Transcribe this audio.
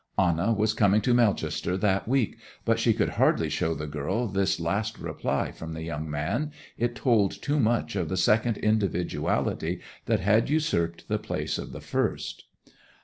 Anna was coming to Melchester that week, but she could hardly show the girl this last reply from the young man; it told too much of the second individuality that had usurped the place of the first.